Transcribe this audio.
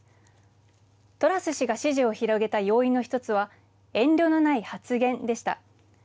トラス氏が支持を広げた要因の一つは遠慮のない発言でした。